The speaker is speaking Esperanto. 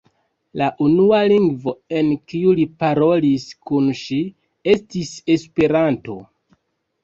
La unua lingvo, en kiu li parolis kun ŝi, estis Esperanto.